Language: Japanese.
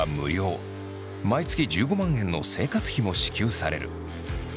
毎月１５万円の生活費も支給される。